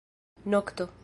nokto